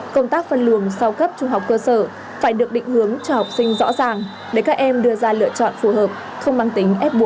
công tác phân luồng sau cấp trung học cơ sở phải được định hướng cho học sinh rõ ràng để các em đưa ra lựa chọn phù hợp không mang tính f bốn